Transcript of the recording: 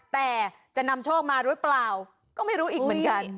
แต่จะนำโชคมาหรือเปล่าก็ไม่รู้อีกเหมือนกัน